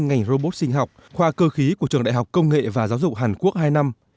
ngành robot sinh học khoa cơ khí của trường đại học công nghệ và giáo dục hàn quốc hai năm